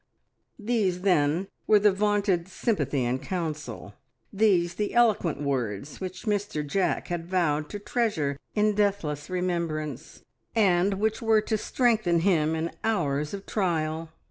These, then, were the vaunted sympathy and counsel, these the eloquent words which Mr Jack had vowed to treasure in deathless remembrance, and which were to strengthen him in hours of trial!